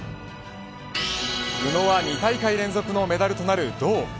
宇野は２大会連続のメダルとなる銅。